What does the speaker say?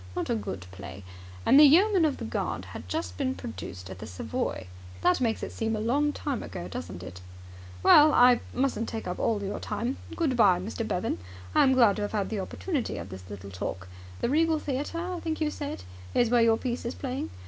Not a good play. And the Yeoman of the Guard had just been produced at the Savoy. That makes it seem a long time ago, doesn't it? Well, I mustn't take up all your time. Good bye, Mr. Bevan. I am glad to have had the opportunity of this little talk. The Regal Theatre, I think you said, is where your piece is playing?